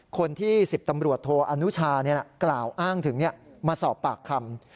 คนที่๑๐ตำรวจโทอนุชากล่าวอ้างถึงมาสอบปากคำ